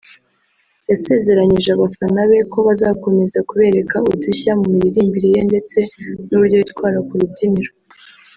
yasezeranyije abafana be kuzakomeza kubereka udushya mu miririmbire ye ndetse n’uburyo yitwara ku rubyiniro